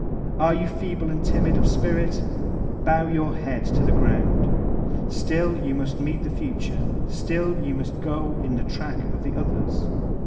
Are you feeble and timid of spirit? Bow your head to the ground. Still you must meet the future; still yoa must go in the track of the others.